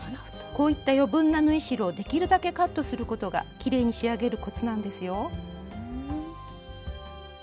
こういった余分な縫い代をできるだけカットすることがきれいに仕上げるコツなんですよ。